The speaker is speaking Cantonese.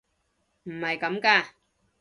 唔係咁㗎！